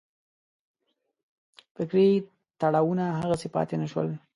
فکري تړاوونه هغسې پاتې نه شول.